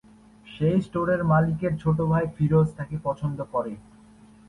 সেই স্টোরের মালিকের ছোট ভাই ফিরোজ তাকে পছন্দ করে।